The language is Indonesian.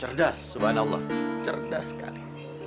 cerdas subhanallah cerdas sekali